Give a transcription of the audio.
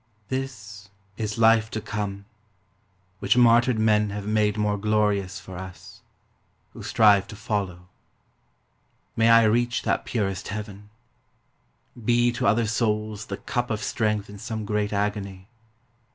This is life to come. Which martyred men have made more glorious For us, who strive to follow. May I reach That purest heaven, — be to other souls The cup of strength in some great agony.